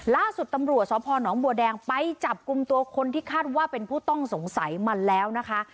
ล่าสุดตำรวจสพนบัวแดงไปจับกลุ่มตัวคนที่คาดว่าเป็นผู้ต้องสงสัยมาแล้วนะคะ